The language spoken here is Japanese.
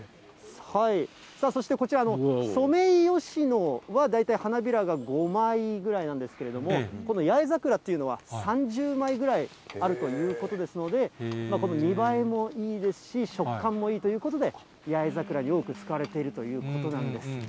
そしてこちら、ソメイヨシノは大体花びらが５枚ぐらいなんですけれども、この八重桜というのは、３０枚ぐらいあるということですので、この見栄えもいいですし、食感もいいということで、八重桜をよく使われているということなんです。